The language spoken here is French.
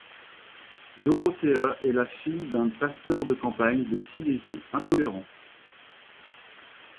Dorothea est la fille d'un pasteur de campagne de Silésie intolérant.